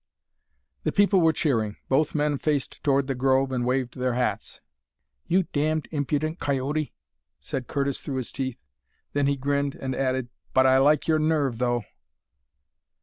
The people were cheering. Both men faced toward the grove and waved their hats. "You damned impudent coyote!" said Curtis through his teeth. Then he grinned, and added, "But I like your nerve, though."